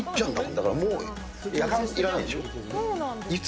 だからもうやかんいらないんでしょ。